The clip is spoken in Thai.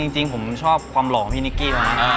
จริงผมชอบความหล่อของพี่นิกกี้